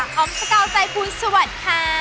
ของสกาวใจพูดสวัสดีค่ะ